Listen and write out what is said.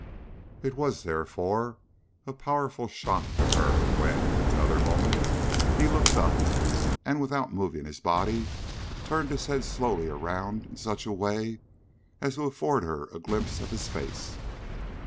It was therefore a powerful shock to her when, in another moment, he looked up, and, without moving his body, turned his head slowly around in such a way as to afford her a glimpse of his face.